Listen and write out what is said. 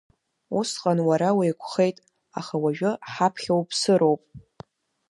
Усҟан уара уеиқәхеит, аха уажәы ҳаԥхьа уԥсыроуп.